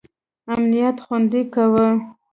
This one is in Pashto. امنیت خوندي کاوه.